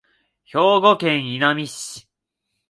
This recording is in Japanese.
兵庫県稲美町